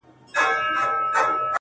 جګه لکه ونه د چینار په پسرلي کي -